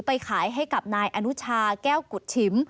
ไปขายให้กับนายอนุชาแก้วกุฎฉิม